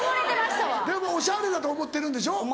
でもおしゃれだと思ってるんでしょ？